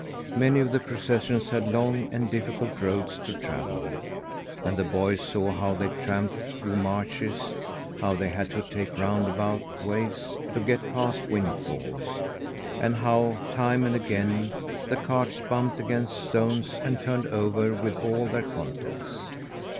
Many of the processions had long and difficult roads to travel; and the boy saw how they tramped through marshes, how they had to take roundabout ways to get past windfalls, and how, time and again, the carts bumped against stones and turned over with all their contents.